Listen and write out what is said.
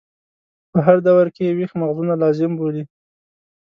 په هر دور کې یې ویښ مغزونه لازم بولي.